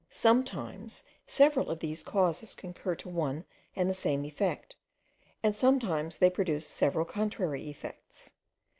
Sometimes several of these causes concur to one and the same effect, and sometimes they produce several contrary effects.